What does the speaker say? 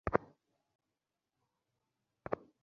আর, থাকবে নীলনদের জলের চেয়েও পরিমাণে অঢেল শ্যাম্পেন!